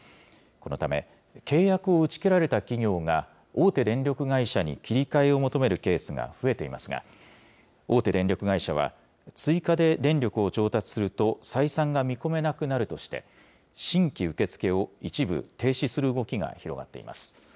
このため、契約を打ち切られた企業が、大手電力会社に切り替えを求めるケースが増えていますが、大手電力会社は、追加で電力を調達すると採算が見込めなくなるとして、新規受け付けを一部停止する動きが広がっています。